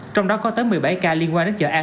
trong đó có tới một mươi bảy ca liên quan